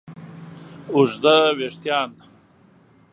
اوږده وېښتیان